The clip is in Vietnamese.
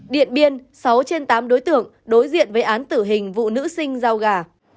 điện biên sáu trên tám đối tượng đối diện với án tử hình vụ nữ sinh giao gà